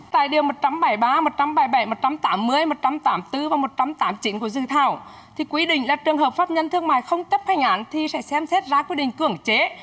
tại điều một trăm bảy mươi ba một trăm bảy mươi bảy một trăm tám mươi một trăm tám mươi bốn và một trăm tám mươi chín của dự thảo thì quy định là trường hợp pháp nhân thương mại không chấp hành án thì sẽ xem xét ra quy định cưỡng chế